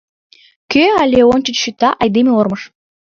Кӧ але ончыч шӱта, айдеме ормыж!..